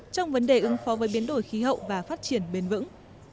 trong vấn đề ứng phó với biến đổi khí hậu và phát triển bền vững